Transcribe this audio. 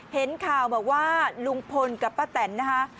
เห็นข่าวบอกว่าลุงพลกับป้าแตนนะคะ